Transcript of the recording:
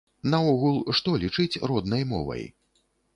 Наогул, што лічыць роднай мовай?